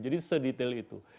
jadi sedetail itu